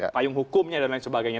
payung hukumnya dan lain sebagainya